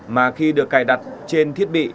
mà khi được cài đặt trên thiết bị